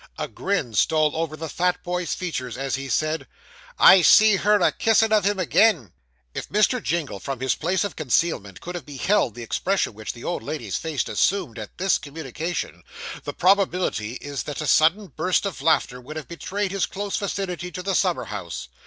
A grin stole over the fat boy's features as he said 'I see her a kissin' of him agin.' If Mr. Jingle, from his place of concealment, could have beheld the expression which the old lady's face assumed at this communication, the probability is that a sudden burst of laughter would have betrayed his close vicinity to the summer house.